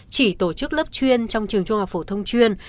chỉ tổ chức lớp chuyên trong trường trung học phổ thông chuyên